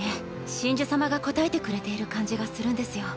神樹様が応えてくれている感じがするんですよ。